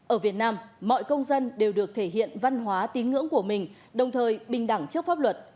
ở việt nam mọi công dân đều được thể hiện văn hóa tín ngưỡng của mình đồng thời bình đẳng trước pháp luật